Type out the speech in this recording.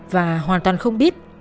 và hoàn toàn không biết